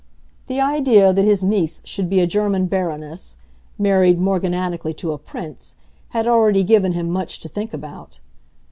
The idea that his niece should be a German Baroness, married "morganatically" to a Prince, had already given him much to think about.